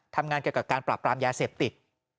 ทำงานเกี่ยวกับการปราบปรามยาเสพติด